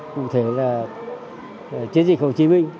cụ thể là chiến dịch hồ chí minh